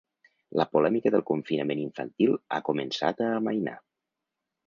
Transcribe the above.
La polèmica del confinament infantil ha començat a amainar.